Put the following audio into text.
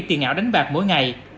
tiền ảo đánh bạc mỗi ngày